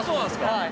はい。